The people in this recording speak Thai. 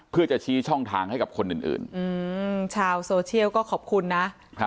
เพื่อจะชี้ช่องทางให้กับคนอื่นชาวโซเชียลก็ขอบคุณนะ